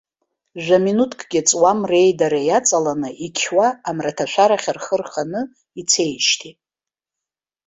Жәаминуҭкгьы ҵуам, реидара иаҵаланы, иқьуа, амраҭашәарахь рхы рханы ицеижьҭеи.